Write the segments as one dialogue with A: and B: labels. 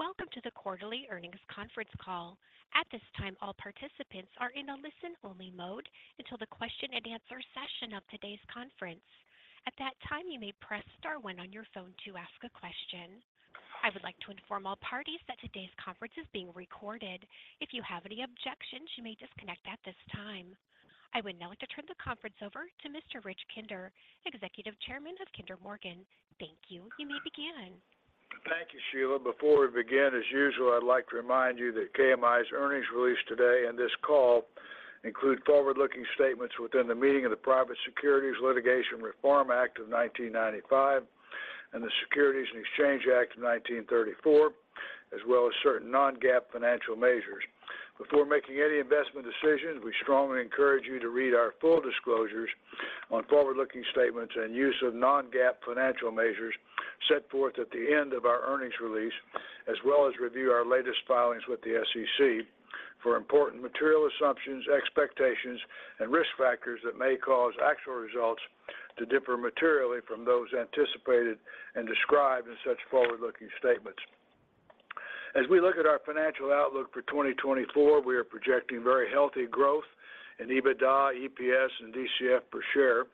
A: Welcome to the Quarterly Earnings Conference Call. At this time, all participants are in a listen-only mode until the question-and-answer session of today's conference. At that time, you may press star one on your phone to ask a question. I would like to inform all parties that today's conference is being recorded. If you have any objections, you may disconnect at this time. I would now like to turn the conference over to Mr. Rich Kinder, Executive Chairman of Kinder Morgan. Thank you. You may begin.
B: Thank you, Sheila. Before we begin, as usual, I'd like to remind you that KMI's earnings release today and this call include forward-looking statements within the meaning of the Private Securities Litigation Reform Act of 1995 and the Securities and Exchange Act of 1934, as well as certain non-GAAP financial measures. Before making any investment decisions, we strongly encourage you to read our full disclosures on forward-looking statements and use of non-GAAP financial measures set forth at the end of our earnings release, as well as review our latest filings with the SEC for important material assumptions, expectations, and risk factors that may cause actual results to differ materially from those anticipated and described in such forward-looking statements. As we look at our financial outlook for 2024, we are projecting very healthy growth in EBITDA, EPS, and DCF per share.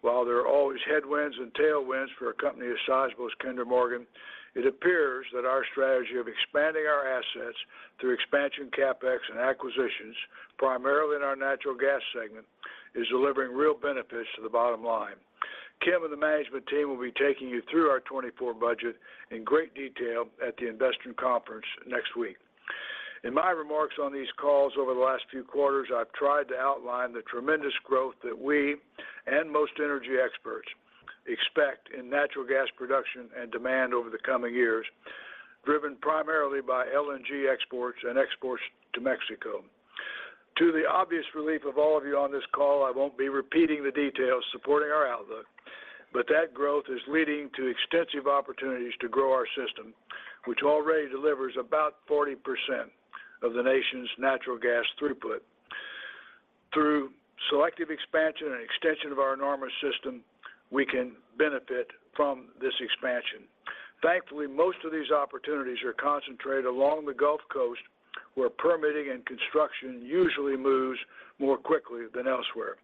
B: While there are always headwinds and tailwinds for a company as sizable as Kinder Morgan, it appears that our strategy of expanding our assets through expansion, CapEx, and acquisitions, primarily in our natural gas segment, is delivering real benefits to the bottom line. Kim and the management team will be taking you through our 2024 budget in great detail at the investment conference next week. In my remarks on these calls over the last few quarters, I've tried to outline the tremendous growth that we and most energy experts expect in natural gas production and demand over the coming years, driven primarily by LNG exports and exports to Mexico. To the obvious relief of all of you on this call, I won't be repeating the details supporting our outlook, but that growth is leading to extensive opportunities to grow our system, which already delivers about 40% of the nation's natural gas throughput. Through selective expansion and extension of our enormous system, we can benefit from this expansion. Thankfully, most of these opportunities are concentrated along the Gulf Coast, where permitting and construction usually moves more quickly than elsewhere.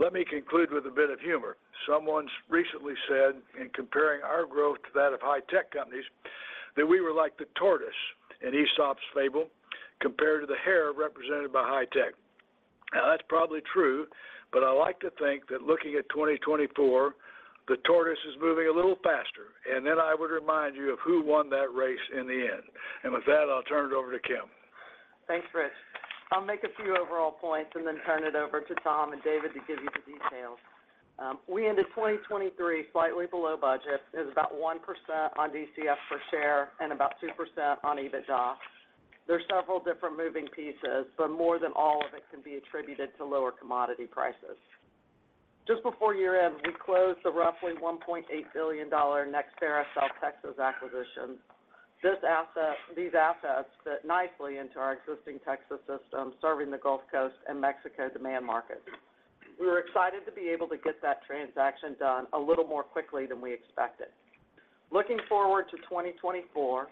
B: Let me conclude with a bit of humor. Someone recently said, in comparing our growth to that of high-tech companies, that we were like the tortoise in Aesop's fable compared to the hare represented by high-tech. Now, that's probably true, but I like to think that looking at 2024, the tortoise is moving a little faster, and then I would remind you of who won that race in the end. With that, I'll turn it over to Kim.
C: Thanks, Rich. I'll make a few overall points and then turn it over to Tom and David to give you the details. We ended 2023 slightly below budget. It was about 1% on DCF per share and about 2% on EBITDA. There are several different moving pieces, but more than all of it can be attributed to lower commodity prices. Just before year-end, we closed the roughly $1.8 billion NextEra South Texas acquisition. These assets fit nicely into our existing Texas system, serving the Gulf Coast and Mexico demand market. We were excited to be able to get that transaction done a little more quickly than we expected. Looking forward to 2024,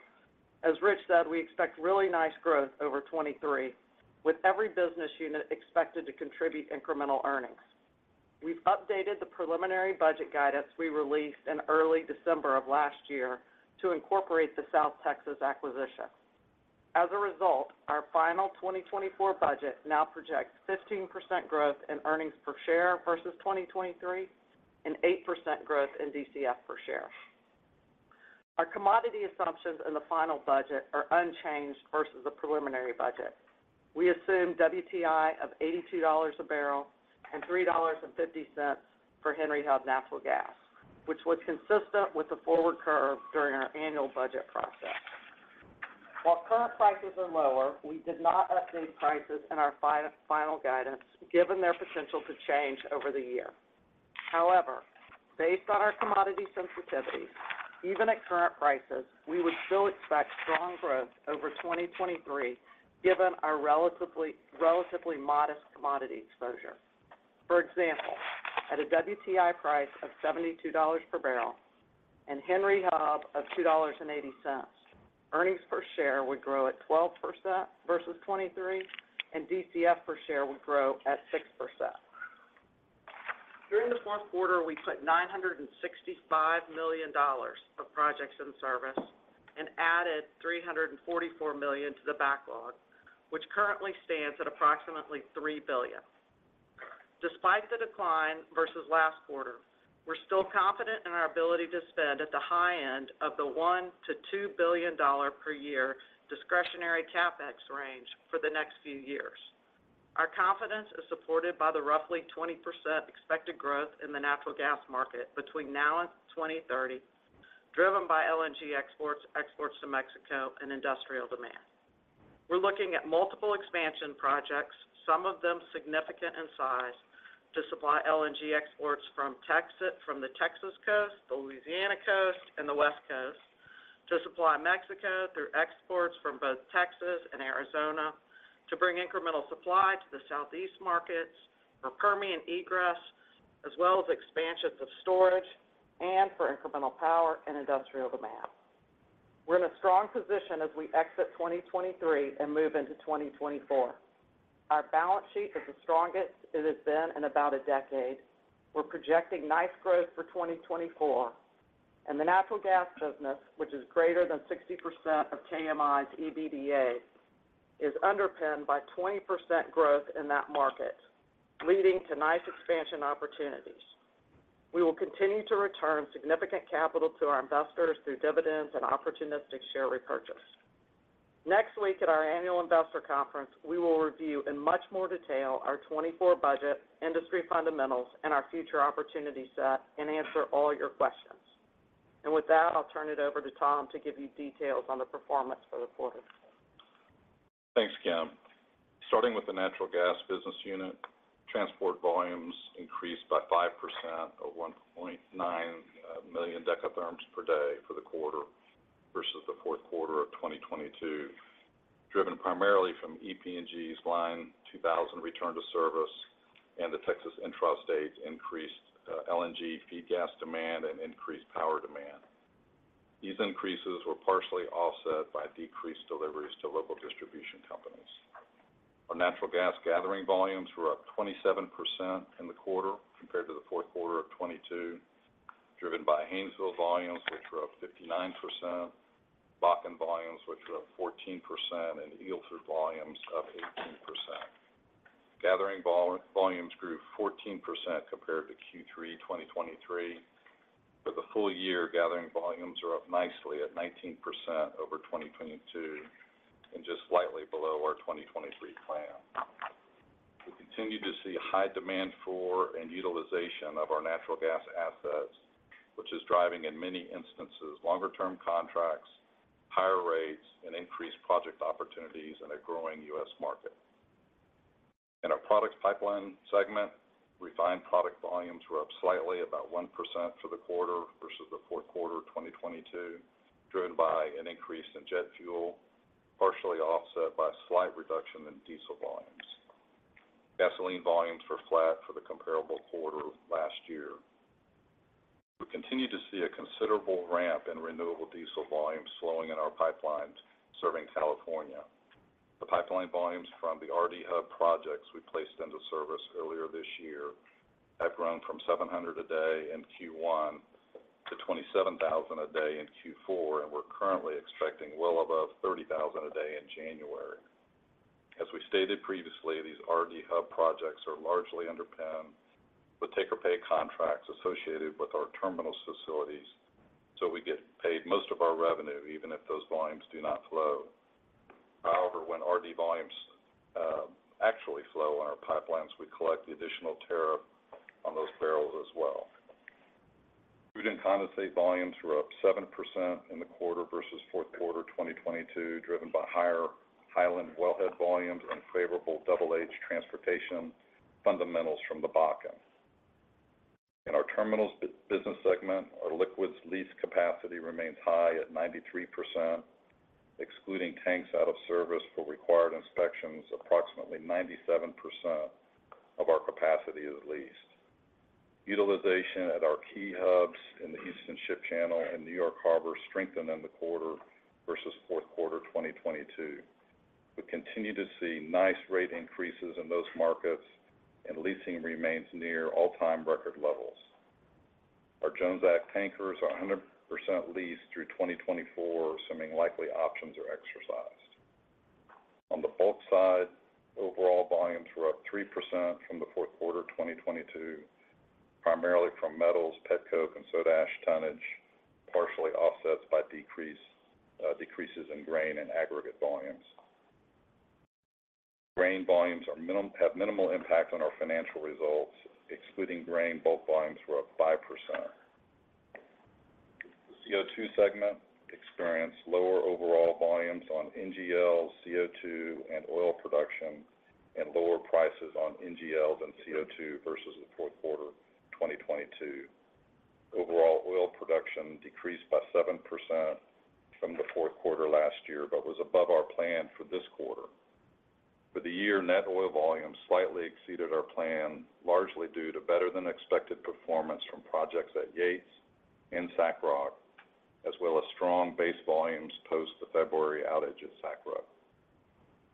C: as Rich said, we expect really nice growth over 2023, with every business unit expected to contribute incremental earnings. We've updated the preliminary budget guidance we released in early December of last year to incorporate the South Texas acquisition. As a result, our final 2024 budget now projects 15% growth in earnings per share versus 2023, and 8% growth in DCF per share. Our commodity assumptions in the final budget are unchanged versus the preliminary budget. We assume WTI of $82 a barrel and $3.50 for Henry Hub natural gas, which was consistent with the forward curve during our annual budget process. While current prices are lower, we did not update prices in our final guidance, given their potential to change over the year. However, based on our commodity sensitivity, even at current prices, we would still expect strong growth over 2023, given our relatively modest commodity exposure. For example, at a WTI price of $72 per barrel and Henry Hub of $2.80, earnings per share would grow at 12% versus 23%, and DCF per share would grow at 6%. During the Q4, we put $965 million of projects in service and added $344 million to the backlog, which currently stands at approximately $3 billion. Despite the decline versus last quarter, we're still confident in our ability to spend at the high end of the $1-$2 billion per year discretionary CapEx range for the next few years. Our confidence is supported by the roughly 20% expected growth in the natural gas market between now and 2030, driven by LNG exports, exports to Mexico, and industrial demand. We're looking at multiple expansion projects, some of them significant in size, to supply LNG exports from the Texas coast, the Louisiana coast, and the West Coast. To supply Mexico through exports from both Texas and Arizona. To bring incremental supply to the Southeast markets. For Permian egress, as well as expansions of storage and for incremental power and industrial demand. We're in a strong position as we exit 2023 and move into 2024. Our balance sheet is the strongest it has been in about a decade. We're projecting nice growth for 2024, and the natural gas business, which is greater than 60% of KMI's EBITDA, is underpinned by 20% growth in that market, leading to nice expansion opportunities. We will continue to return significant capital to our investors through dividends and opportunistic share repurchase. Next week, at our annual investor conference, we will review in much more detail our 2024 budget, industry fundamentals, and our future opportunity set, and answer all your questions. With that, I'll turn it over to Tom to give you details on the performance for the quarter.
D: Thanks, Kim. Starting with the natural gas business unit, transport volumes increased by 5% of 1.9 million decatherms per day for the quarter versus the Q4 of 2022, driven primarily from EPNG's Line 2000 return to service and the Texas intrastate increased LNG feed gas demand and increased power demand. These increases were partially offset by decreased deliveries to local distribution companies. Our natural gas gathering volumes were up 27% in the quarter compared to the Q4 of 2022, driven by Haynesville volumes, which were up 59%, Bakken volumes, which were up 14%, and Eagle Ford volumes up 18%. Gathering volumes grew 14% compared to Q3 2023. For the full year, gathering volumes are up nicely at 19% over 2022 and just slightly below our 2023 plan. We continue to see high demand for and utilization of our natural gas assets, which is driving, in many instances, longer-term contracts, higher rates, and increased project opportunities in a growing U.S. market. In our products pipeline segment, refined product volumes were up slightly about 1% for the quarter versus the Q4 of 2022, driven by an increase in jet fuel, partially offset by a slight reduction in diesel volumes. Gasoline volumes were flat for the comparable quarter last year. We continue to see a considerable ramp in renewable diesel volumes flowing in our pipelines serving California. The pipeline volumes from the RD Hub projects we placed into service earlier this year have grown from 700 a day in Q1 to 27,000 a day in Q4, and we're currently expecting well above 30,000 a day in January. As we stated previously, these RD Hub projects are largely underpinned with take-or-pay contracts associated with our terminal facilities, so we get paid most of our revenue even if those volumes do not flow. However, when RD volumes actually flow on our pipelines, we collect the additional tariff on those barrels as well. Crude and condensate volumes were up 7% in the quarter versus Q4 2022, driven by higher Hiland wellhead volumes and favorable Double H transportation fundamentals from the Bakken. In our terminals business segment, our liquids lease capacity remains high at 93%. Excluding tanks out of service for required inspections, approximately 97% of our capacity is leased. Utilization at our key hubs in the Houston Ship Channel and New York Harbor strengthened in the quarter versus Q4 of 2022. We continue to see nice rate increases in those markets, and leasing remains near all-time record levels. Our Jones Act tankers are 100% leased through 2024, assuming likely options are exercised. On the bulk side, overall volumes were up 3% from the Q4 of 2022, primarily from metals, petcoke, and soda ash tonnage, partially offset by decreases in grain and aggregate volumes. Grain volumes have minimal impact on our financial results. Excluding grain, bulk volumes were up 5%. CO2 segment experienced lower overall volumes on NGL, CO2, and oil production, and lower prices on NGLs and CO2 versus the Q4 of 2022. Overall, oil production decreased by 7% from the Q4 last year, but was above our plan for this quarter. For the year, net oil volumes slightly exceeded our plan, largely due to better-than-expected performance from projects at Yates and SACROC, as well as strong base volumes post the February outage at SACROC.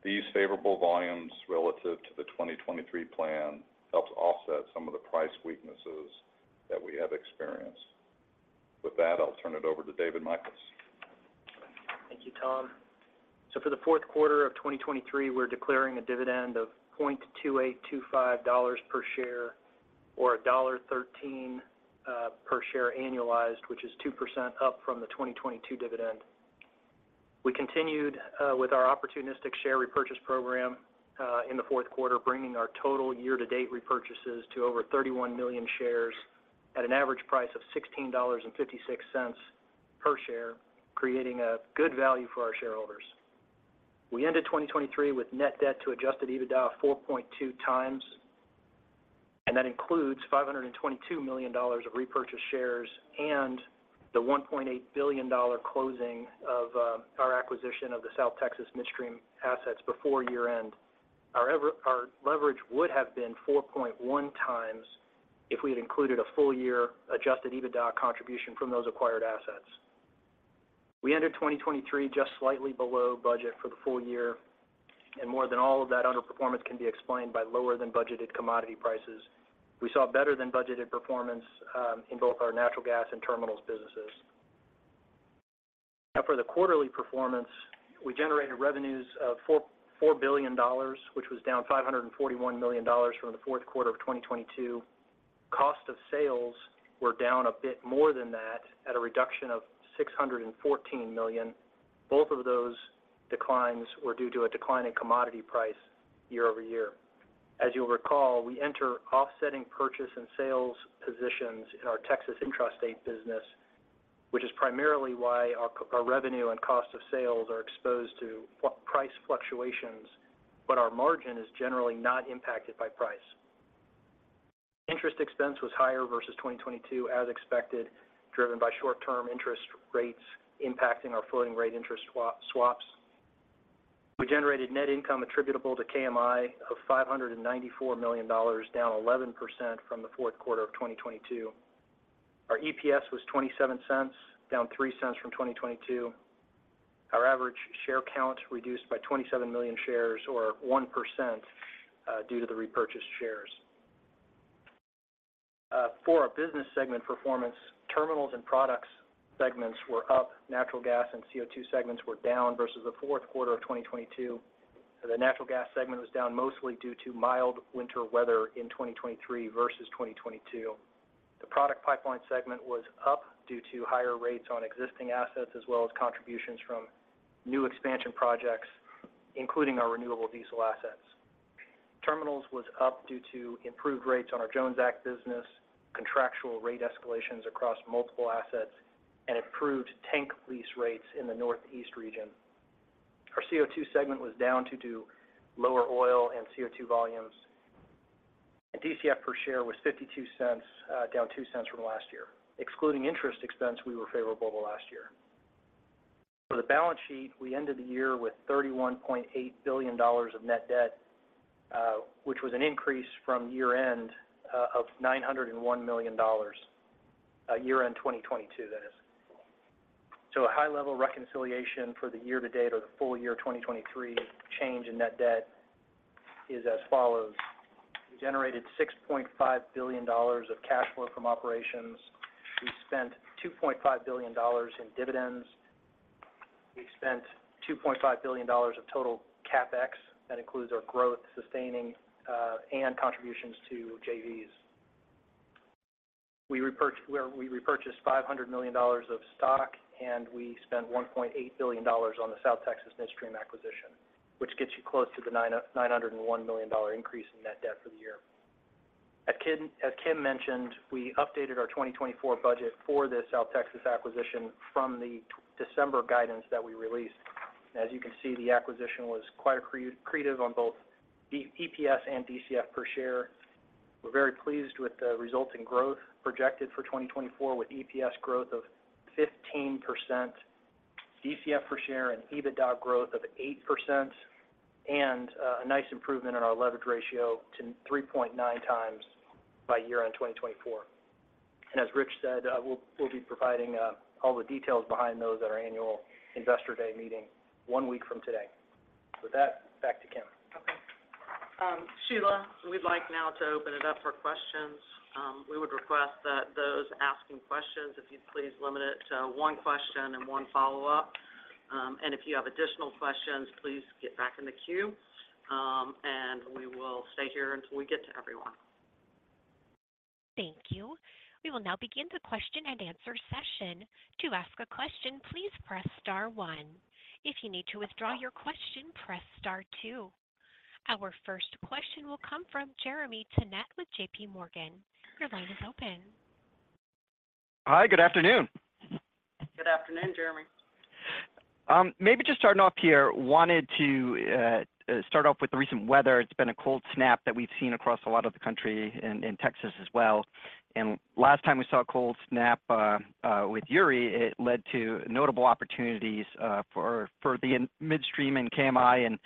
D: These favorable volumes relative to the 2023 plan helped offset some of the price weaknesses that we have experienced. With that, I'll turn it over to David Michels.
E: Thank you, Tom. So for the Q4 of 2023, we're declaring a dividend of $0.2825 per share, or $1.13 per share annualized, which is 2% up from the 2022 dividend. We continued with our opportunistic share repurchase program in the Q4, bringing our total year-to-date repurchases to over 31 million shares at an average price of $16.56 per share, creating a good value for our shareholders. We ended 2023 with net debt to adjusted EBITDA of 4.2x, and that includes $522 million of repurchased shares and the $1.8 billion closing of our acquisition of the South Texas Midstream assets before year-end. Our leverage would have been 4.1x if we had included a full year adjusted EBITDA contribution from those acquired assets. We ended 2023 just slightly below budget for the full year, and more than all of that underperformance can be explained by lower than budgeted commodity prices. We saw better than budgeted performance in both our natural gas and terminals businesses. Now, for the quarterly performance, we generated revenues of $4.4 billion, which was down $541 million from the Q4 of 2022. Cost of sales were down a bit more than that, at a reduction of $614 million. Both of those declines were due to a decline in commodity price year-over-year. As you'll recall, we enter offsetting purchase and sales positions in our Texas intrastate business, which is primarily why our revenue and cost of sales are exposed to fuel price fluctuations, but our margin is generally not impacted by price. Interest expense was higher versus 2022 as expected, driven by short-term interest rates impacting our floating rate interest swaps. We generated net income attributable to KMI of $594 million, down 11% from the Q4 of 2022. Our EPS was $0.27, down $0.03 from 2022. Our average share count reduced by 27 million shares or 1%, due to the repurchased shares. For our business segment performance, Terminals and Products segments were up, Natural Gas and CO2 segments were down versus the Q4 of 2022. The natural gas segment was down mostly due to mild winter weather in 2023 versus 2022. The product pipeline segment was up due to higher rates on existing assets, as well as contributions from new expansion projects, including our renewable diesel assets. Terminals was up due to improved rates on our Jones Act business, contractual rate escalations across multiple assets, and improved tank lease rates in the Northeast region. Our CO2 segment was down due to lower oil and CO2 volumes, and DCF per share was $0.52, down $0.02 from last year. Excluding interest expense, we were favorable the last year. For the balance sheet, we ended the year with $31.8 billion of net debt, which was an increase from year-end of $901 million, year-end 2022, that is. So a high-level reconciliation for the year to date or the full year 2023 change in net debt is as follows: We generated $6.5 billion of cash flow from operations. We spent $2.5 billion in dividends. We spent $2.5 billion of total CapEx. That includes our growth, sustaining, and contributions to JVs. We repurchased $500 million of stock, and we spent $1.8 billion on the South Texas Midstream acquisition, which gets you close to the $901 million increase in net debt for the year. As Kim mentioned, we updated our 2024 budget for the South Texas acquisition from the December guidance that we released. As you can see, the acquisition was quite accretive on both EPS and DCF per share. We're very pleased with the resulting growth projected for 2024, with EPS growth of 15%, DCF per share, and EBITDA growth of 8%, and a nice improvement in our leverage ratio to 3.9x by year-end in 2024. And as Rich said, we'll be providing all the details behind those at our Annual Investor Day meeting one week from today. With that, back to Kim.
C: Okay. Sheila, we'd like now to open it up for questions. We would request that those asking questions, if you'd please limit it to one question and one follow-up. And if you have additional questions, please get back in the queue, and we will stay here until we get to everyone.
A: Thank you. We will now begin the question and answer session. To ask a question, please press star one. If you need to withdraw your question, press star two. Our first question will come from Jeremy Tonet with JP Morgan. Your line is open.
F: Hi, good afternoon.
C: Good afternoon, Jeremy.
F: Maybe just starting off here, wanted to start off with the recent weather. It's been a cold snap that we've seen across a lot of the country, and in Texas as well. And last time we saw a cold snap with Uri, it led to notable opportunities for the midstream in KMI. And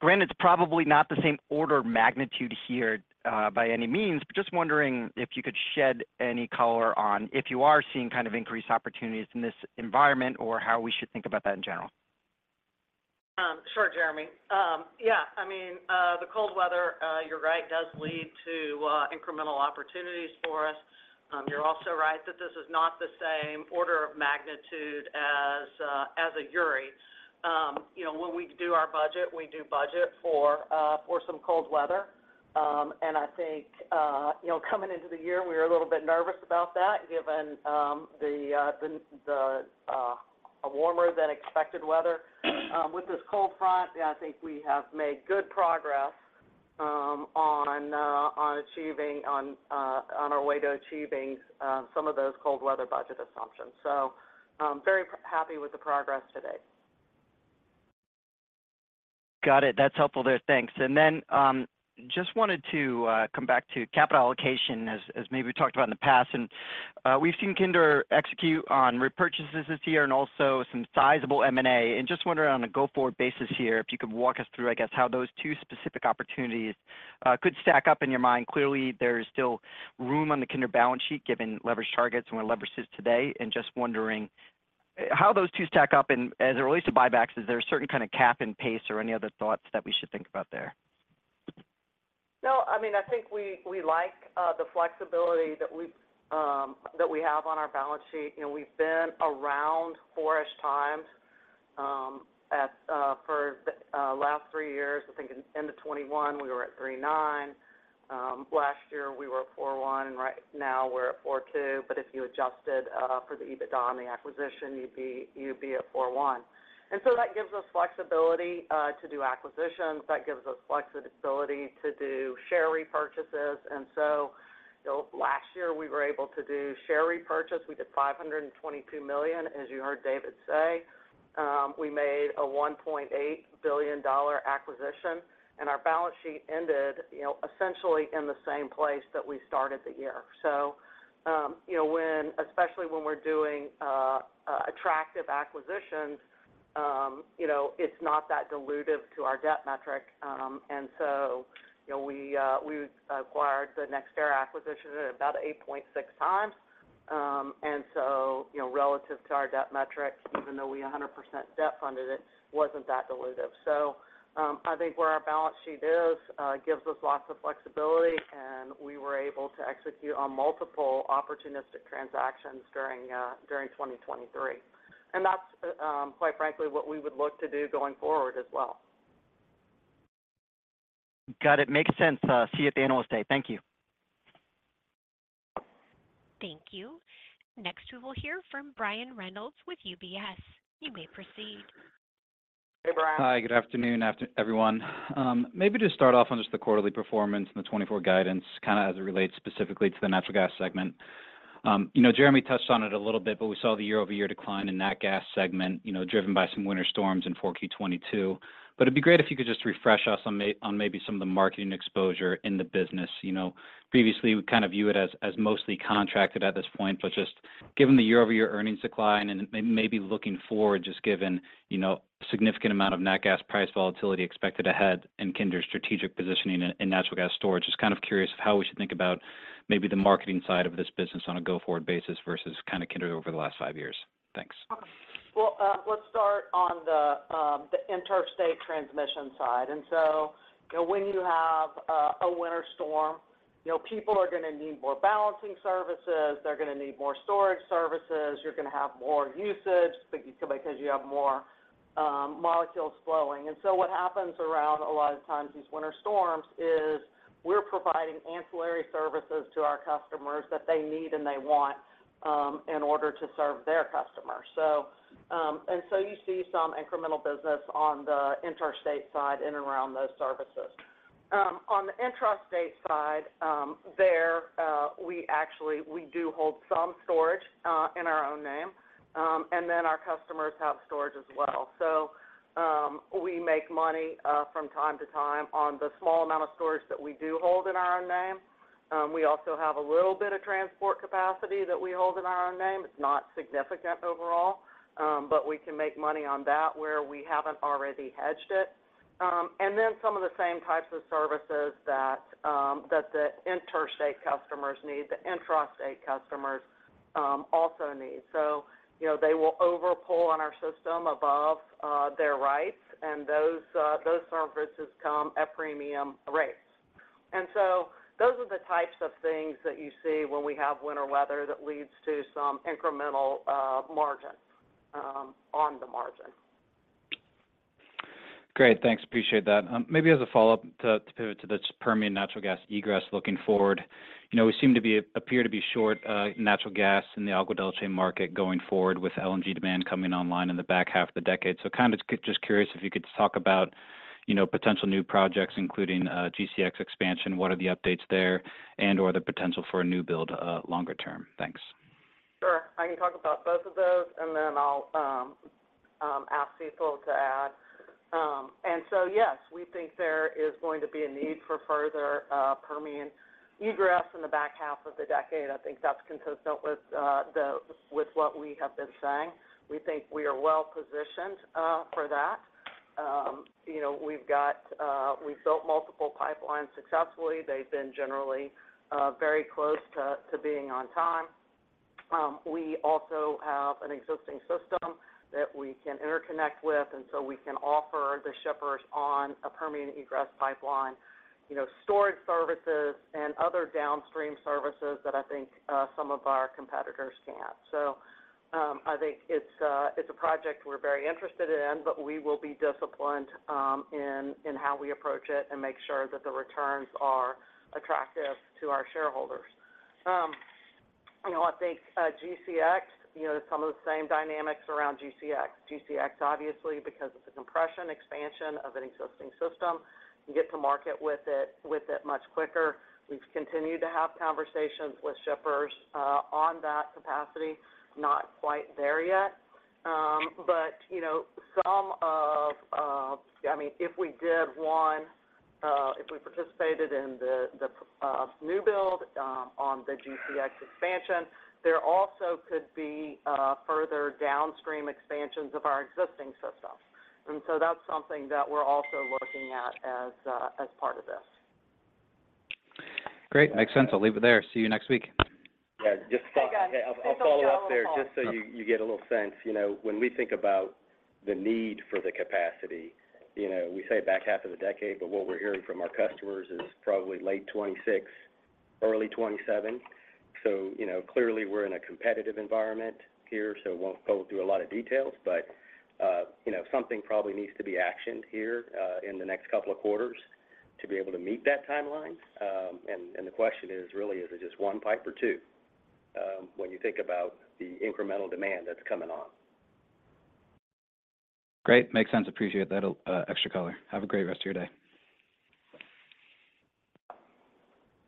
F: granted, it's probably not the same order of magnitude here by any means, but just wondering if you could shed any color on if you are seeing increased opportunities in this environment or how we should think about that in general?
C: Sure, Jeremy. Yeah, I mean, the cold weather, you're right, does lead to incremental opportunities for us. You're also right that this is not the same order of magnitude as a Uri. You know, when we do our budget, we do budget for some cold weather. And I think, you know, coming into the year, we were a little bit nervous about that, given the warmer than expected weather. With this cold front, yeah, I think we have made good progress on our way to achieving some of those cold weather budget assumptions. So, very happy with the progress today.
F: .Got it. That's helpful there. Thanks. And then, just wanted to come back to capital allocation as maybe we talked about in the past. And, we've seen Kinder execute on repurchases this year and also some sizable M&A. And just wondering on a go-forward basis here, if you could walk us through, I guess, how those two specific opportunities could stack up in your mind. Clearly, there's still room on the Kinder balance sheet, given leverage targets and where leverage is today. And just wondering, how those two stack up and as it relates to buybacks, is there a certain kind of cap and pace or any other thoughts that we should think about there?
C: No, I mean, I think we like the flexibility that we have on our balance sheet. You know, we've been around four-ish times for the last three years. I think in 2021, we were at 3.9. Last year, we were at 4.1, and right now we're at 4.2. But if you adjusted for the EBITDA and the acquisition, you'd be at 4.1. And so that gives us flexibility to do acquisitions, that gives us flexibility to do share repurchases. And so last year, we were able to do share repurchase. We did $522 million. As you heard David say, we made a $1.8 billion acquisition, and our balance sheet ended, you know, essentially in the same place that we started the year. You know, especially when we're doing attractive acquisitions, you know, it's not that dilutive to our debt metric. And so, you know, we acquired the NextEra acquisition at about 8.6 times. And so, you know, relative to our debt metric, even though we 100% debt funded it, wasn't that dilutive. So, I think where our balance sheet is gives us lots of flexibility, and we were able to execute on multiple opportunistic transactions during 2023. And that's, quite frankly, what we would look to do going forward as well.
F: Got it. Makes sense. See you at the Analyst Day. Thank you.
A: Thank you. Next, we will hear from Brian Reynolds with UBS. You may proceed.
C: Hey, Brian.
G: Hi, good afternoon, everyone. Maybe just start off on just the quarterly performance and the 2024 guidance, kind of as it relates specifically to the natural gas segment. You know, Jeremy touched on it a little bit, but we saw the year-over-year decline in that gas segment, you know, driven by some winter storms in 4Q 2022. But it'd be great if you could just refresh us on maybe some of the marketing exposure in the business. You know, previously, we kind of view it as, as mostly contracted at this point, but just given the year-over-year earnings decline, and then maybe looking forward, just given, you know, significant amount of nat gas price volatility expected ahead and Kinder's strategic positioning in natural gas storage. Just kind of curious of how we should think about maybe the marketing side of this business on a go-forward basis versus kind of Kinder over the last five years? Thanks.
C: Well, let's start on the interstate transmission side. And so, you know, when you have a winter storm, you know, people are going to need more balancing services, they're going to need more storage services, you're going to have more usage because you have more molecules flowing. And so what happens around a lot of times these winter storms is, we're providing ancillary services to our customers that they need and they want in order to serve their customers. So, and so you see some incremental business on the interstate side in and around those services. On the intrastate side, there, we actually, we do hold some storage in our own name, and then our customers have storage as well. So, we make money from time to time on the small amount of storage that we do hold in our own name. We also have a little bit of transport capacity that we hold in our own name. It's not significant overall, but we can make money on that where we haven't already hedged it. And then some of the same types of services that the interstate customers need, the intrastate customers also need. So, you know, they will overpull on our system above their rights, and those services come at premium rates. And so those are the types of things that you see when we have winter weather that leads to some incremental margin on the margin.
G: Great, thanks. Appreciate that. Maybe as a follow-up to pivot to the Permian natural gas egress looking forward. You know, we seem to appear to be short natural gas in the Agua Dulce market going forward with LNG demand coming online in the back half of the decade. So kind of just curious if you could just talk about, you know, potential new projects, including GCX expansion, what are the updates there and/or the potential for a new build longer term? Thanks.
C: Sure. I can talk about both of those, and then I'll ask Sital to add. Yes, we think there is going to be a need for further Permian egress in the back half of the decade. I think that's consistent with the, with what we have been saying. We think we are well positioned for that. You know, we've got, we've built multiple pipelines successfully. They've been generally very close to being on time. We also have an existing system that we can interconnect with, and so we can offer the shippers on a Permian egress pipeline, you know, storage services and other downstream services that I think some of our competitors can't. So, I think it's a project we're very interested in, but we will be disciplined in how we approach it and make sure that the returns are attractive to our shareholders. You know, I think, GCX, you know, some of the same dynamics around GCX. GCX, obviously, because it's a compression expansion of an existing system, you get to market with it much quicker. We've continued to have conversations with shippers on that capacity. Not quite there yet. But you know, Yeah, I mean, if we did one, if we participated in the new build on the GCX expansion, there also could be further downstream expansions of our existing system. And so that's something that we're also looking at as part of this.
G: Great. Makes sense. I'll leave it there. See you next week.
H: Yeah, just-
C: Okay.
H: I'll follow up there.
C: Thanks for your call.
H: Just so you get a little sense. You know, when we think about the need for the capacity, you know, we say back half of the decade, but what we're hearing from our customers is probably late 2026, early 2027. So, you know, clearly we're in a competitive environment here, so won't go through a lot of details, but, you know, something probably needs to be actioned here in the next couple of quarters to be able to meet that timeline. And the question is, really, is it just one pipe or two? When you think about the incremental demand that's coming on.
G: Great. Makes sense. Appreciate that, extra color. Have a great rest of your day.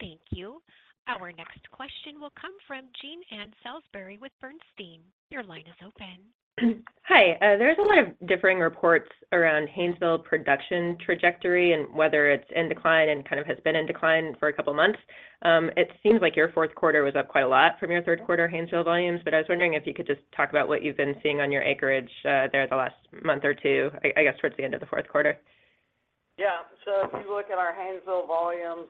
A: Thank you. Our next question will come from Jean Ann Salisbury with Bernstein. Your line is open.
I: Hi. There's a lot of differing reports around Haynesville production trajectory, and whether it's in decline and kind of has been in decline for a couple of months. It seems like your Q4 was up quite a lot from your Q3 Haynesville volumes, but I was wondering if you could just talk about what you've been seeing on your acreage there the last month or two, I guess, towards the end of the Q4.
C: Yeah. So if you look at our Haynesville volumes,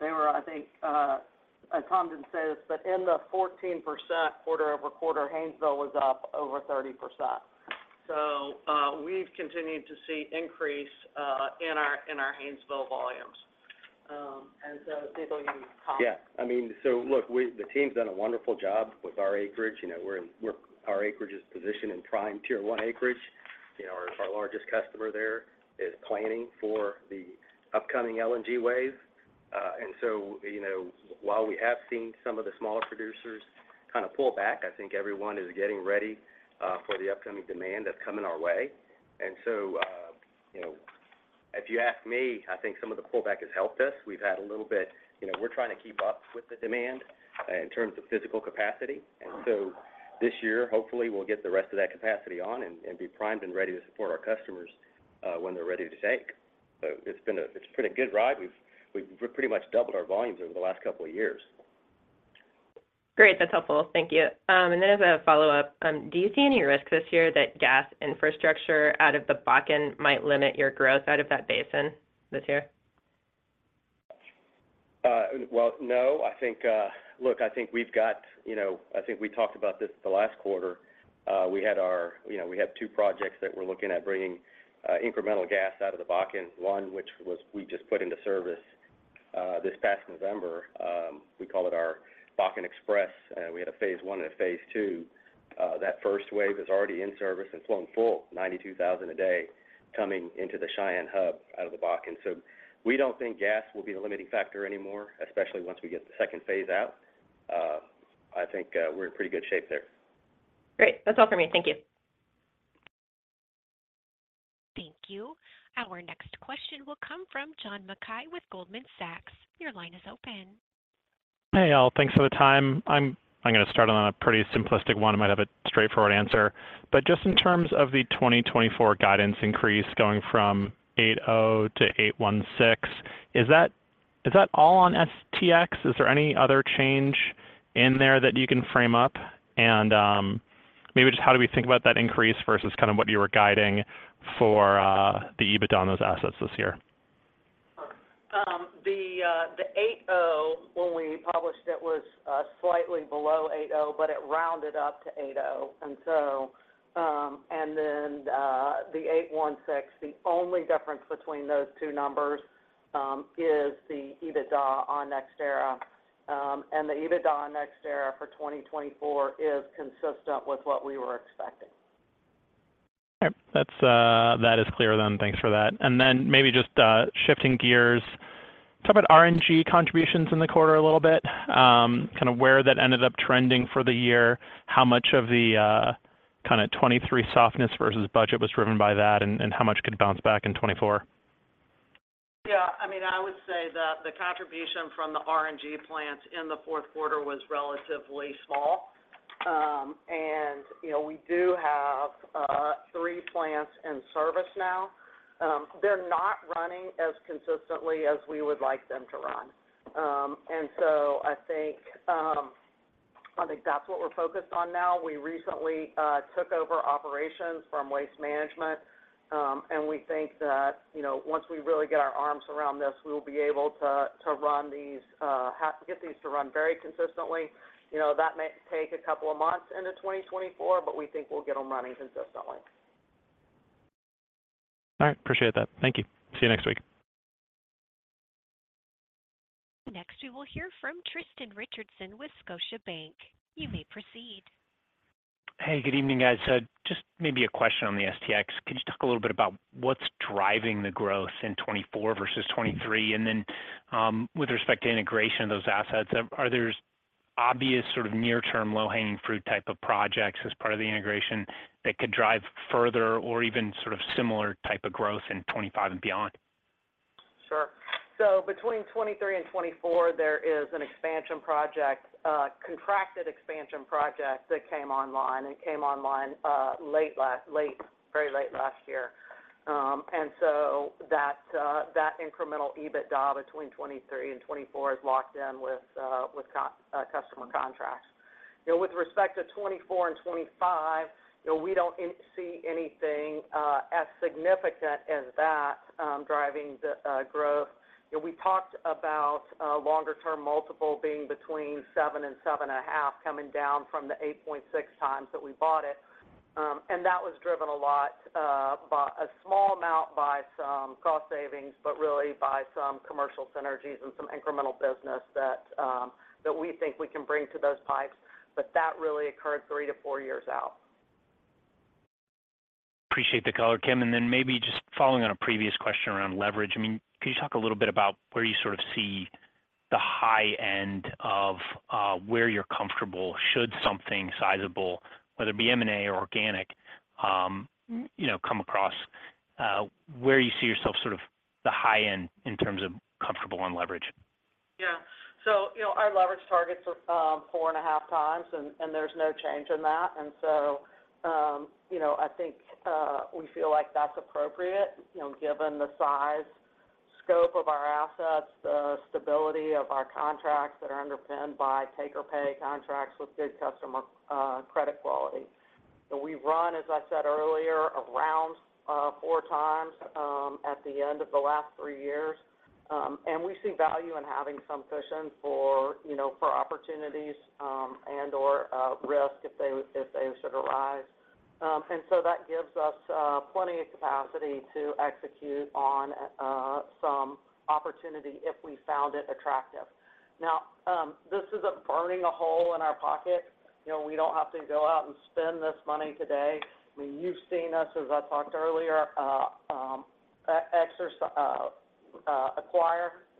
C: they were, I think, as Tom just said, but in the 14% quarter-over-quarter, Haynesville was up over 30%. So, we've continued to see increase in our Haynesville volumes, and so they will be top.
H: Yeah. I mean, so look, we, the team's done a wonderful job with our acreage. You know, we're in. Our acreage is positioned in prime tier one acreage. You know, our largest customer there is planning for the upcoming LNG wave. And so, you know, while we have seen some of the smaller producers kind of pull back, I think everyone is getting ready for the upcoming demand that's coming our way. And so, you know, if you ask me, I think some of the pullback has helped us. We've had a little bit. You know, we're trying to keep up with the demand in terms of physical capacity. And so this year, hopefully, we'll get the rest of that capacity on and be primed and ready to support our customers when they're ready to take. So it's been a good ride. We've pretty much doubled our volumes over the last couple of years.
I: Great, that's helpful. Thank you. And then as a follow-up, do you see any risk this year that gas infrastructure out of the Bakken might limit your growth out of that basin this year?
H: Well, no. I think, look, I think we've got, you know, I think we talked about this the last quarter. You know, we have two projects that we're looking at bringing incremental gas out of the Bakken. One, which we just put into service this past November. We call it our Bakken Express, and we had a phase one and a phase two. That first wave is already in service and flowing full, 92,000 a day, coming into the Cheyenne Hub out of the Bakken. So we don't think gas will be the limiting factor anymore, especially once we get the second phase out. I think we're in pretty good shape there.
I: Great. That's all for me. Thank you.
A: Thank you. Our next question will come from John Mackay with Goldman Sachs. Your line is open.
J: Hey, all. Thanks for the time. I'm gonna start on a pretty simplistic one. I might have a straightforward answer. But just in terms of the 2024 guidance increase going from 8.0 to 8.16, is that, is that all on STX? Is there any other change in there that you can frame up? And maybe just how do we think about that increase versus kind of what you were guiding for, the EBITDA on those assets this year?
C: The 8.0, when we published it, was slightly below 8.0, but it rounded up to 8.0. And then, the 8.16, the only difference between those two numbers is the EBITDA on NextEra. And the EBITDA on NextEra for 2024 is consistent with what we were expecting.
J: Yep. That's, that is clear then. Thanks for that. And then maybe just shifting gears, talk about RNG contributions in the quarter a little bit. Kind of where that ended up trending for the year, how much of the kind of 2023 softness versus budget was driven by that, and how much could bounce back in 2024?
C: Yeah, I mean, I would say that the contribution from the RNG plants in the Q4 was relatively small. And, you know, we do have three plants in service now. They're not running as consistently as we would like them to run. And so I think, I think that's what we're focused on now. We recently took over operations from Waste Management, and we think that, you know, once we really get our arms around this, we will be able to, to run these, to get these to run very consistently. You know, that may take a couple of months into 2024, but we think we'll get them running consistently.
J: All right. Appreciate that. Thank you. See you next week.
A: Next, we will hear from Tristan Richardson with Scotiabank. You may proceed.
K: Hey, good evening, guys. Just maybe a question on the STX. Could you talk a little bit about what's driving the growth in 2024 versus 2023? And then, with respect to integration of those assets, are there obvious sort of near-term, low-hanging fruit type of projects as part of the integration that could drive further or even sort of similar type of growth in 2025 and beyond?
C: Sure. So between 2023 and 2024, there is an expansion project, a contracted expansion project that came online, and it came online, very late last year. And so that, that incremental EBITDA between 2023 and 2024 is locked in with, with customer contracts. You know, with respect to 2024 and 2025, you know, we don't see anything, as significant as that, driving the growth. You know, we talked about a longer-term multiple being between 7 and 7.5, coming down from the 8.6x that we bought it. And that was driven a lot, by a small amount by some cost savings, but really by some commercial synergies and some incremental business that, that we think we can bring to those pipes. But that really occurred three-four years out.
K: Appreciate the color, Kim. And then maybe just following on a previous question around leverage, I mean, can you talk a little bit about where you sort of see the high end of, where you're comfortable, should something sizable, whether it be M&A or organic, you know, come across, where you see yourself, sort of the high end in terms of comfortable on leverage?
C: Yeah. So, you know, our leverage targets are 4.5x, and there's no change in that. So, you know, I think we feel like that's appropriate, you know, given the size, scope of our assets, the stability of our contracts that are underpinned by take-or-pay contracts with good customer credit quality. So we've run, as I said earlier, around 4x at the end of the last three years. And we see value in having some cushion for, you know, for opportunities and/or risk if they should arise. And so that gives us plenty of capacity to execute on some opportunity if we found it attractive. Now, this isn't burning a hole in our pocket. You know, we don't have to go out and spend this money today. I mean, you've seen us, as I talked earlier, acquire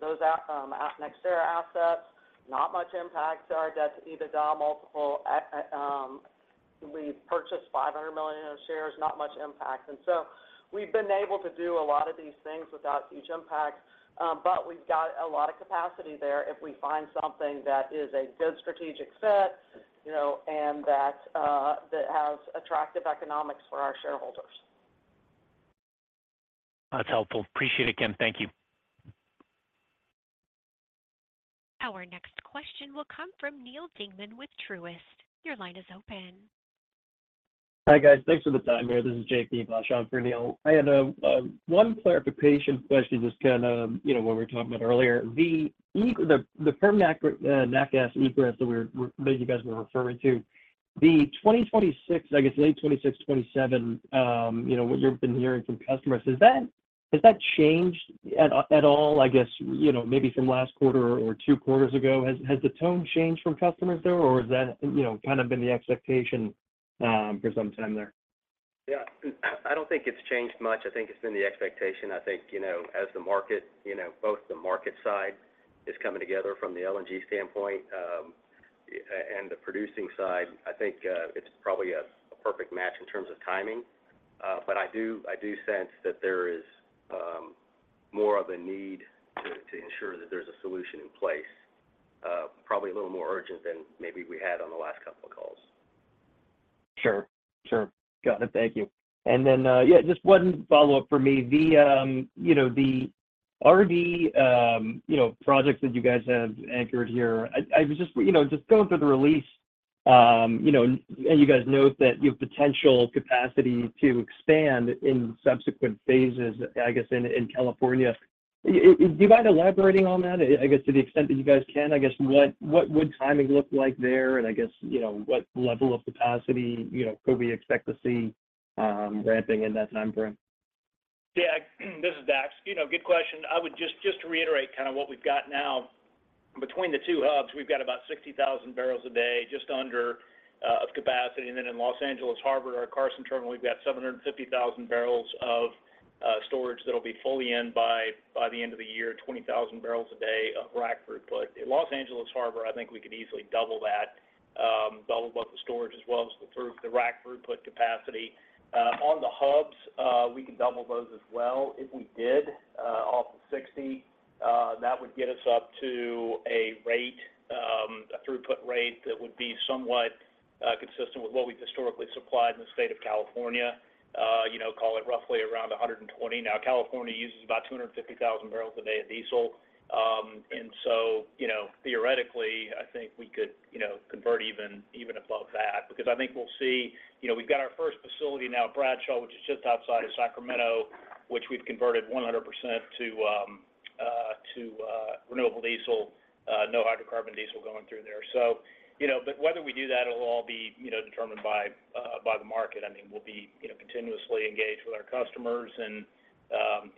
C: those NextEra assets. Not much impact to our debt to EBITDA multiple. At, we purchased $500 million of shares, not much impact. And so we've been able to do a lot of these things without huge impact, but we've got a lot of capacity there if we find something that is a good strategic fit, you know, and that has attractive economics for our shareholders.
K: That's helpful. Appreciate it, Kim. Thank you.
A: Our next question will come from Neil Dingman with Truist. Your line is open.
L: Hi, guys. Thanks for the time here. This is J.P. Bashan for Neil. I had one clarification question, just kind of, you know, what we were talking about earlier. The Elba Express that you guys were referring to, the 2026, I guess, late 2026-2027, you know, what you've been hearing from customers, has that changed at all? I guess, you know, maybe from last quarter or two quarters ago. Has the tone changed from customers there, or has that, you know, kind of been the expectation for some time there?
H: Yeah. I don't think it's changed much. I think it's been the expectation. I think, you know, as the market, you know, both the market side is coming together from the LNG standpoint, and the producing side, I think, it's probably a perfect match in terms of timing. But I do sense that there is more of a need to ensure that there's a solution in place, probably a little more urgent than maybe we had on the last couple of calls.
L: Sure. Got it. Thank you. And then, yeah, just one follow-up for me. The, you know, the RD, you know, projects that you guys have anchored here, I was just, you know, just going through the release, you know, and you guys note that you have potential capacity to expand in subsequent phases, I guess, in California. Do you mind elaborating on that, I guess, to the extent that you guys can? I guess, what would timing look like there, and I guess, you know, what level of capacity, you know, could we expect to see ramping in that time frame?
M: Yeah. This is Dax. You know, good question. I would just to reiterate kind of what we've got now. Between the two hubs, we've got about 60,000 barrels a day, just under, of capacity. And then in Los Angeles Harbor, our Carson terminal, we've got 750,000 barrels of storage that'll be fully in by the end of the year, 20,000 barrels a day of rack throughput. In Los Angeles Harbor, I think we could easily double that, double both the storage as well as the rack throughput capacity. On the hubs, we can double those as well. If we did, off of 60, that would get us up to a rate, a throughput rate that would be somewhat consistent with what we've historically supplied in the state of California. You know, call it roughly around 120. Now, California uses about 250,000 barrels a day of diesel. So, you know, theoretically, I think we could, you know, convert even, even above that, because I think we'll see, you know, we've got our first facility now at Bradshaw, which is just outside of Sacramento, which we've converted 100% to renewable diesel, no hydrocarbon diesel going through there. So, you know, but whether we do that, it'll all be, you know, determined by the market. I mean, we'll be, you know, continuously engaged with our customers and,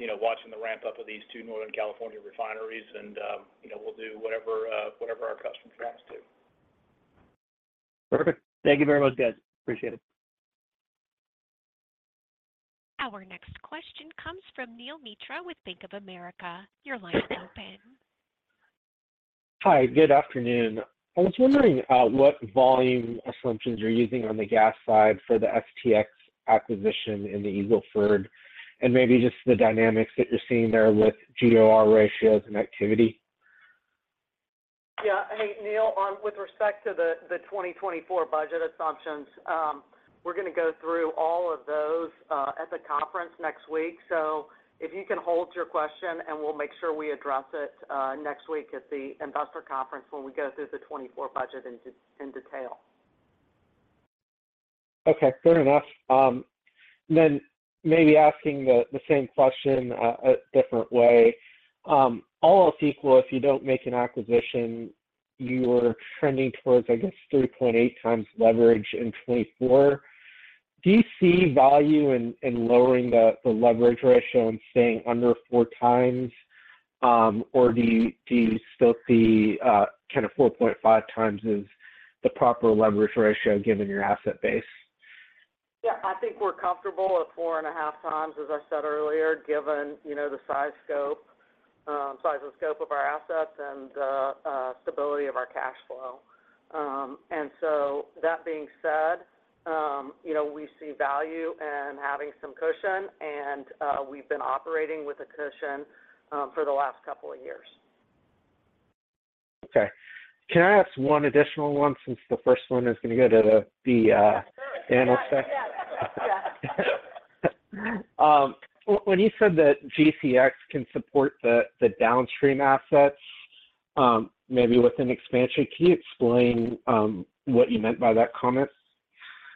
M: you know, watching the ramp-up of these two Northern California refineries and, you know, we'll do whatever, whatever our customers for us to.
L: Perfect. Thank you very much, guys. Appreciate it.
A: Our next question comes from Neel Mitra with Bank of America. Your line is open.
N: Hi, good afternoon. I was wondering, what volume assumptions you're using on the gas side for the STX acquisition in the Eagle Ford, and maybe just the dynamics that you're seeing there with GOR ratios and activity?
C: Yeah. Hey, Neel, with respect to the 2024 budget assumptions, we're gonna go through all of those at the conference next week. So if you can hold your question, and we'll make sure we address it next week at the investor conference when we go through the 2024 budget in detail.
N: Okay, fair enough. Then maybe asking the same question a different way. All else equal, if you don't make an acquisition, you were trending towards, I guess, 3.8x leverage in '2024. Do you see value in lowering the leverage ratio and staying under 4x, or do you still see kind of 4.5x as the proper leverage ratio given your asset base?
C: Yeah. I think we're comfortable at 4.5x, as I said earlier, given, you know, the size and scope of our assets and the stability of our cash flow. And so that being said, you know, we see value in having some cushion, and we've been operating with a cushion for the last couple of years.
N: Okay. Can I ask one additional one, since the first one is gonna go to the analyst?
C: Yeah.
N: When you said that GCX can support the downstream assets, maybe with an expansion, can you explain what you meant by that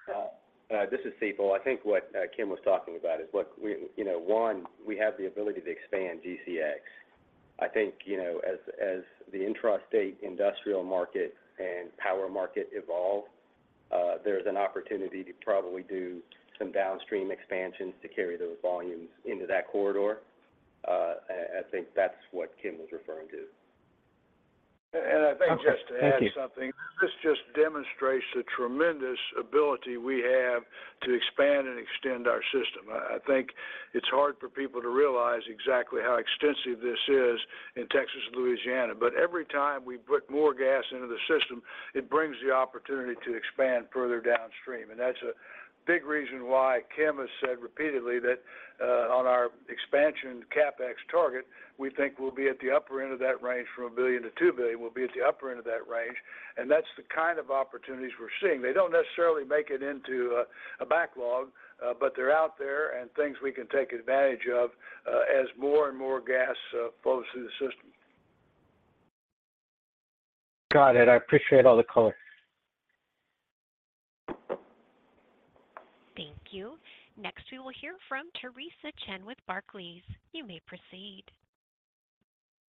N: comment?
H: This is Sital. I think what Kim was talking about is, look, we, you know, one, we have the ability to expand GCX. I think, you know, as the intrastate industrial market and power market evolve, there's an opportunity to probably do some downstream expansions to carry those volumes into that corridor. I think that's what Kim was referring to.
B: And I think just to add something-
N: Okay. Thank you.
B: This just demonstrates the tremendous ability we have to expand and extend our system. I, I think it's hard for people to realize exactly how extensive this is in Texas and Louisiana, but every time we put more gas into the system, it brings the opportunity to expand further downstream. And that's a big reason why Kim has said repeatedly that, on our expansion CapEx target, we think we'll be at the upper end of that range. From $1 billion-$2 billion, we'll be at the upper end of that range, and that's the kind of opportunities we're seeing. They don't necessarily make it into a backlog, but they're out there and things we can take advantage of, as more and more gas flows through the system.
N: Got it. I appreciate all the color.
A: Thank you. Next, we will hear from Theresa Chen with Barclays. You may proceed.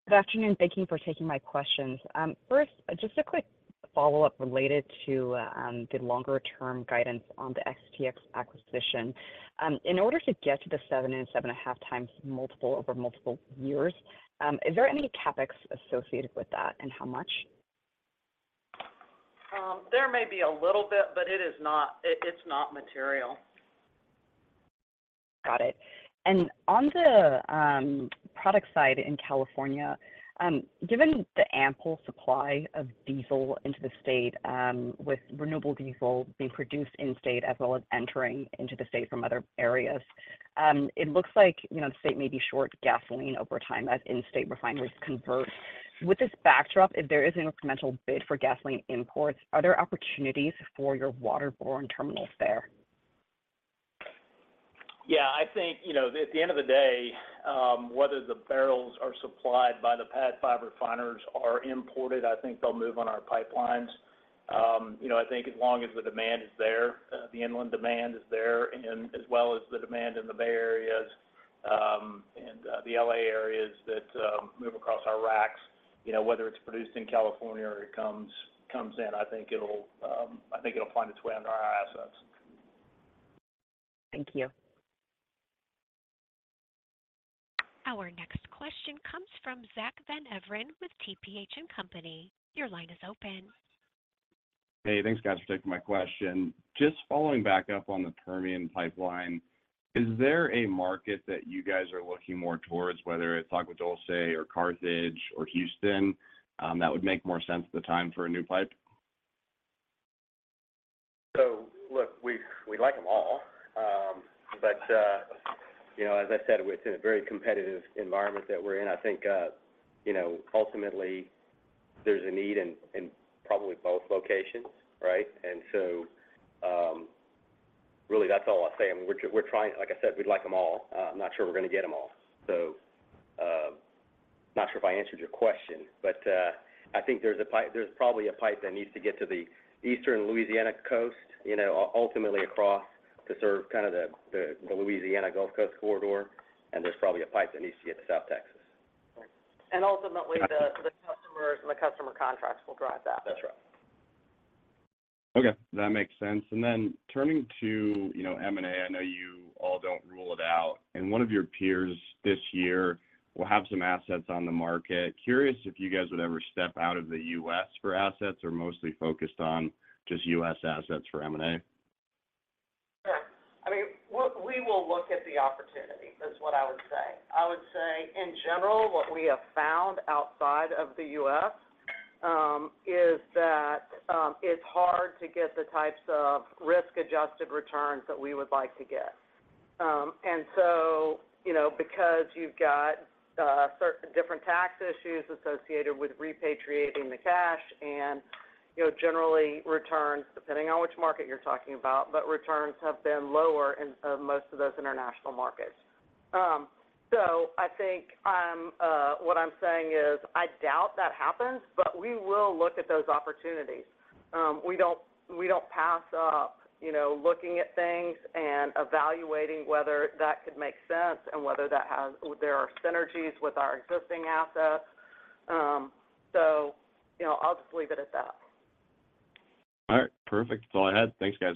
O: Good afternoon. Thank you for taking my questions. First, just a quick follow-up related to the longer-term guidance on the STX acquisition. In order to get to the 7x-7.5x multiple over multiple years, is there any CapEx associated with that, and how much?
C: There may be a little bit, but it is not. It's not material.
O: Got it. And on the product side in California, given the ample supply of diesel into the state, with renewable diesel being produced in-state, as well as entering into the state from other areas, it looks like, you know, the state may be short gasoline over time as in-state refineries convert. With this backdrop, if there is an incremental bid for gasoline imports, are there opportunities for your waterborne terminals there?
H: Yeah, I think, you know, at the end of the day, whether the barrels are supplied by the PADD V refiners or imported, I think they'll move on our pipelines. You know, I think as long as the demand is there, the inland demand is there, and as well as the demand in the Bay Areas, and the LA areas that move across our racks, you know, whether it's produced in California or it comes in, I think it'll find its way onto our assets.
O: Thank you.
A: Our next question comes from Zack Van Everen with TPH and Company. Your line is open.
P: Hey, thanks, guys, for taking my question. Just following back up on the Permian pipeline, is there a market that you guys are looking more towards, whether it's Agua Dulce or Carthage or Houston, that would make more sense at the time for a new pipe?
H: So look, we like them all. But, you know, as I said, within a very competitive environment that we're in, I think, you know, ultimately, there's a need in probably both locations, right? And so, really, that's all I'll say. I mean, we're trying. Like I said, we'd like them all. I'm not sure we're going to get them all. So, not sure if I answered your question, but, I think there's a pipe. There's probably a pipe that needs to get to the eastern Louisiana coast, you know, ultimately across to serve kind of the Louisiana Gulf Coast corridor, and there's probably a pipe that needs to get to South Texas.
C: Ultimately, the customers and the customer contracts will drive that.
H: That's right.
P: Okay, that makes sense. And then turning to, you know, M&A, I know you all don't rule it out, and one of your peers this year will have some assets on the market. Curious if you guys would ever step out of the U.S. for assets or mostly focused on just U.S. assets for M&A? I mean, we'll, we will look at the opportunity, is what I would say. I would say, in general, what we have found outside of the U.S., is that, it's hard to get the types of risk-adjusted returns that we would like to get. And so, you know, because you've got, certain different tax issues associated with repatriating the cash and, you know, generally returns, depending on which market you're talking about, but returns have been lower in, most of those international markets.
C: So I think what I'm saying is, I doubt that happens, but we will look at those opportunities. We don't pass up, you know, looking at things and evaluating whether that could make sense, and whether there are synergies with our existing assets. So, you know, I'll just leave it at that.
P: All right. Perfect. That's all I had. Thanks, guys.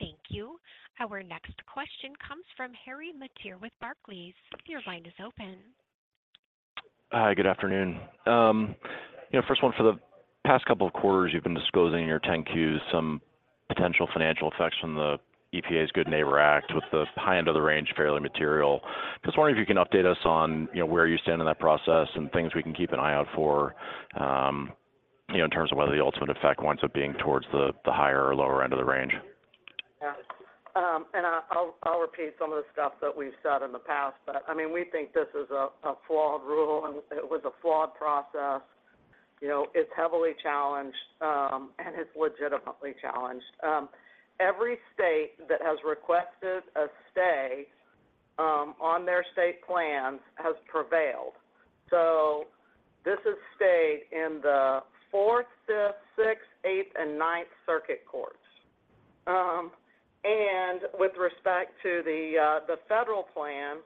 A: Thank you. Our next question comes from Harry Mateer with Barclays. Your line is open.
Q: Hi, good afternoon. You know, first one, for the past couple of quarters, you've been disclosing in your 10-Qs some potential financial effects from the EPA's Good Neighbor Act, with the high end of the range fairly material. Just wondering if you can update us on, you know, where you stand in that process and things we can keep an eye out for, you know, in terms of whether the ultimate effect winds up being towards the, the higher or lower end of the range?
C: Yeah. And I'll repeat some of the stuff that we've said in the past, but, I mean, we think this is a flawed rule, and it was a flawed process. You know, it's heavily challenged, and it's legitimately challenged. Every state that has requested a stay on their state plans has prevailed. So this is stayed in the Fourth, Fifth, Sixth, Eighth, and Ninth Circuit courts. And with respect to the federal plan,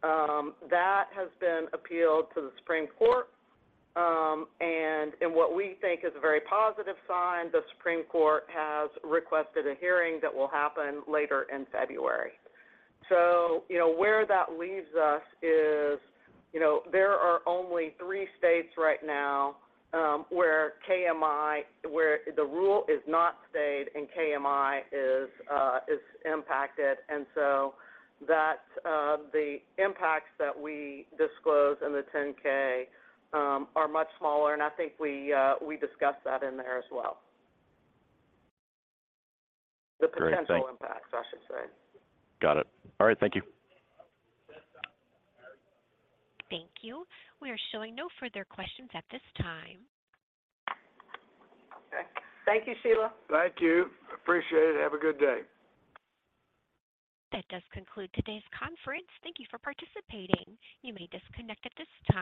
C: that has been appealed to the Supreme Court. And in what we think is a very positive sign, the Supreme Court has requested a hearing that will happen later in February. So you know, where that leaves us is, you know, there are only three states right now, where KMI where the rule is not stayed and KMI is impacted. And so that the impacts that we disclose in the 10-K are much smaller, and I think we discussed that in there as well.
Q: Great, thank-
C: The potential impacts, I should say.
Q: Got it. All right. Thank you.
A: Thank you. We are showing no further questions at this time.
C: Okay. Thank you, Sheila.
B: Thank you. Appreciate it. Have a good day.
A: That does conclude today's conference. Thank you for participating. You may disconnect at this time.